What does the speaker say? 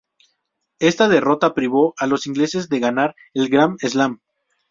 Esta derrota privó a los ingleses de ganar el Gram Slam.